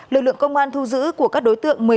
lực lượng công an thu giữ của các đối tượng